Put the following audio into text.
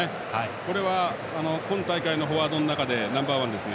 これは今大会のフォワードでナンバー１ですね。